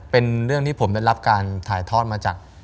เป็นเรื่องที่ผมได้รับการถ่ายทอดมาจาก